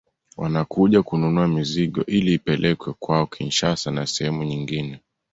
Wanakuja kununua mizigo ili ipelekwe kwao Kinshasa na sehemu nyingine